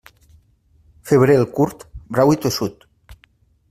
Febrer el curt, brau i tossut.